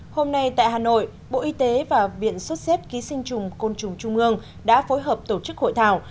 hôm nay tại hà nội bộ y tế và viện sốt xét ký sinh trùng côn trùng trung ương đã phối hợp tổ chức hội thảo